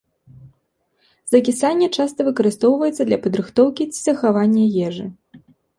Закісанне часта выкарыстоўваецца для падрыхтоўкі ці захавання ежы.